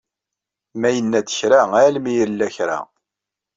Ma yenna-d kra almi yella kra.